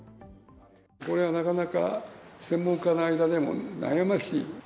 これはなかなか、専門家の間でも悩ましい。